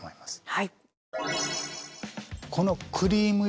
はい。